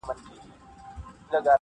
د شګوفو د پسرلیو وطن-